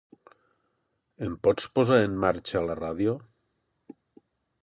Em pots posar en marxa la ràdio?